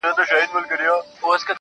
د ښايست تصوير دې دومره محدود سوی~